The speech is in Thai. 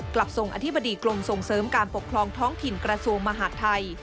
กลับทรงอธิบดีกรมส่งเสริมการปกครองท้องถิ่นกระทรวงมหาดไทย